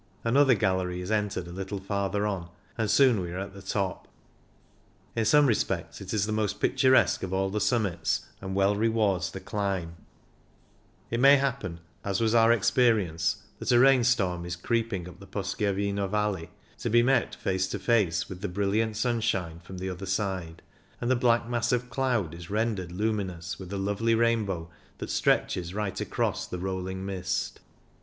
Another gallery is entered a little farther on, and soon we are at the top. In some respects it is the most picturesque of all the summits, and well rewards the climb. It may 48 CYCLING IN THE ALPS happen, as was our experience, that a rainstorm is creeping up the Poschiavino Valley, to be met face to face with the brilliant sunshine from the other side, and the black mass of cloud is rendered lumin ous with a lovely rainbow that stretches right across the rolling mist.